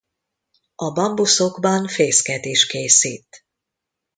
A bambuszokban fészket is készít.